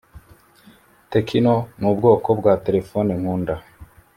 Techno nubwoko bwa telephone nkunda